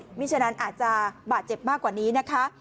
ฉะนั้นอาจจะบาดเจ็บมากกว่านี้นะคะ